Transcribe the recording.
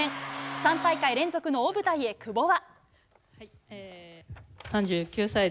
３大会連続の大舞台へ久保は。